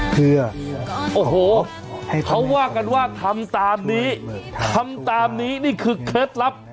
เพื่อโอ้โหเขาว่ากันว่าทำตามนี้ทำตามนี้นี่คือเคล็ดลับ